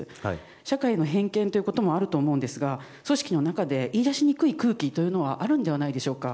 社会の偏見もあると思いますが組織の中で言い出しにくい空気というのはあるのではないでしょうか。